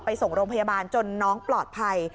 ส่งโรงพยาบาลจนน้องปลอดภัย